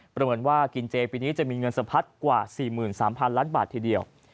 ประเมินว่ากินเจปีนี้จะมีเงินสะพัดกว่า๔๓๐๐ล้านบาททีเดียว